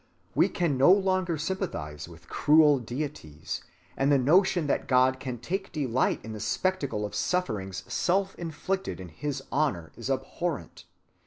We can no longer sympathize with cruel deities, and the notion that God can take delight in the spectacle of sufferings self‐inflicted in his honor is abhorrent.